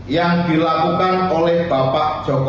yang dilakukan oleh bapak jokowi